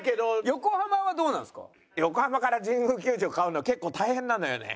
横浜から神宮球場通うの結構大変なのよね。